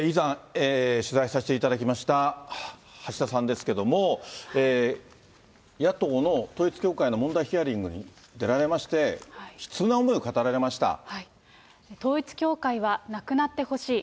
取材させていただきました橋田さんですけれども、野党の統一教会の問題ヒアリングに出られまして、悲痛な思いを語統一教会はなくなってほしい。